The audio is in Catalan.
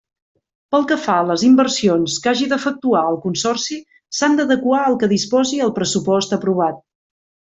Pel que fa a les inversions que hagi d'efectuar el Consorci, s'han d'adequar al que disposi el pressupost aprovat.